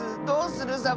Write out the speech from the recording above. どうする？